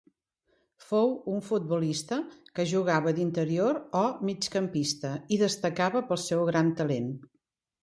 Fou un futbolista que jugava d'interior o migcampista i destacava pel seu gran talent.